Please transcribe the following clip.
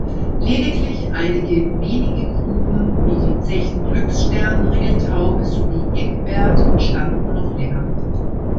Lediglich einige wenige Gruben, wie die Zechen Glücksstern, Ringeltaube sowie Egbert bestanden noch länger.